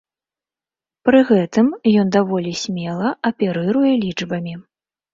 Пры гэтым ён даволі смела аперыруе лічбамі.